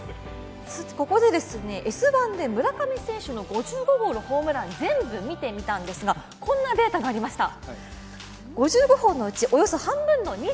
ここで「Ｓ☆１」で村上選手の５５本のホームラン、ぜんぶ見てみたんですが、こんなデータがありました。